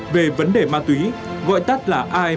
về vấn đề ma túy gọi tắt là asean